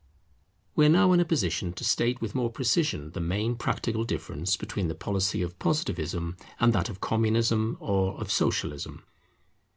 We are now in a position to state with more precision the main practical difference between the policy of Positivism, and that of Communism or of Socialism.